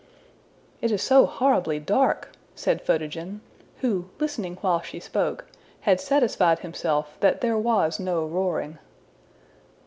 '' ``It is so horribly dark!'' said Photogen, who, listening while she spoke, had satisfied himself that there was no roaring.